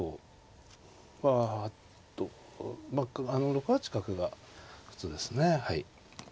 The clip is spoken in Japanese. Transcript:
６八角が普通ですね。